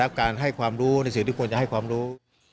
การให้ความรู้ในสิ่งที่ควรจะให้ความรู้